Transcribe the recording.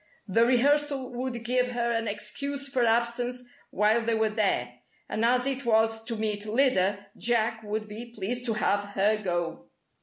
The rehearsal would give her an excuse for absence while they were there, and as it was to meet Lyda, Jack would be pleased to have her go.